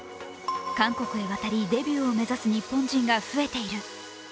韓国へ渡り、デビューを目指す日本人が増えている。